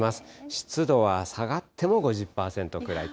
湿度は下がっても５０％くらいと。